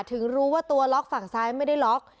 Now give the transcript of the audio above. ถึงรู้ว่าตัวล็อกฝั่งซ้ายไม่ได้ล็อก